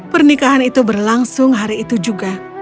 pernikahan itu berlangsung hari itu juga